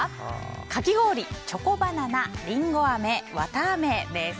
かき氷・チョコバナナりんごあめ・わたあめです。